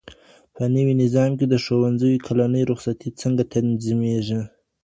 په نوي نظام کي د ښوونځیو کلنۍ رخصتۍ څنګه تنظیمیږي؟